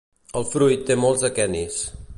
El fruit té molts aquenis.